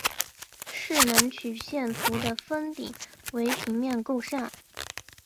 势能曲线图的峰顶为平面构象。